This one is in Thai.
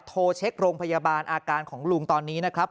โทรเช็คโรงพยาบาลอาการของลุงตอนนี้นะครับ